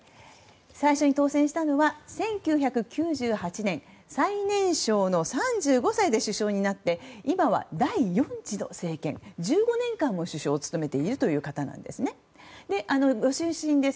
最初に当選したのは１９９８年最年少の３５歳で首相になって今は第４次の政権１５年間も首相を務める方です。